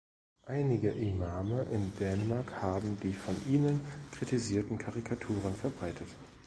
Einige Imame in Dänemark haben die von ihnen kritisierten Karikaturen verbreitet.